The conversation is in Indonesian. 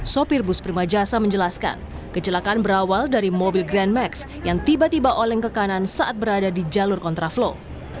sopir bus prima jasa menjelaskan kecelakaan berawal dari mobil grand max yang tiba tiba oleng ke kanan saat berada di jalur kontraflow